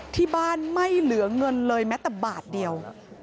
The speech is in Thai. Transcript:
ที่บ้านไม่เหลือเงินเลยแม้แต่บาทเดียว